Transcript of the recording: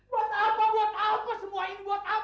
buat apa buat aku semua ini buat apa